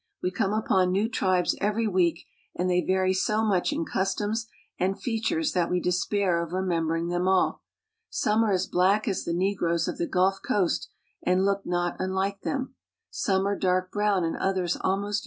We come upon nem^fl tribes every week, and they vary so much in customs andf features that we despair of remembering them all. Some I are as black as the negroes of the Gulf Coast, and look not 1 _ unhke them. Some are dark brown and others almost J ■.